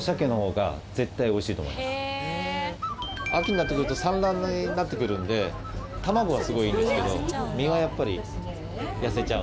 秋になってくると産卵になってくるので卵はすごいいいんですけど身はやっぱり痩せちゃう。